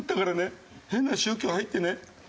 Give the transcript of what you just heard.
変な宗教入ってね。